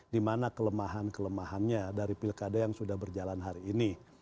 di mana kelemahan kelemahannya dari pilkada yang sudah berjalan hari ini